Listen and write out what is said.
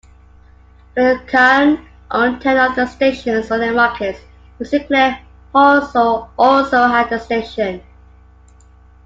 Glencairn owned ten other stations-all in markets where Sinclair also had a station.